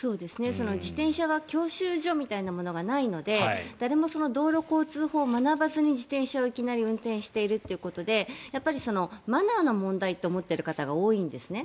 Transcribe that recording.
自転車は教習所みたいなものがないので誰も道路交通法を学ばずに自転車をいきなり運転しているということでマナーの問題と思っている方が多いんですね。